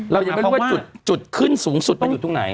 เรายังไม่รู้ว่าจุดขึ้นสูงสุดมันอยู่ตรงไหน